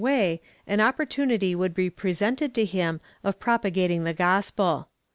73 way, an opportunity would be presented to him of propagat ing the gospel.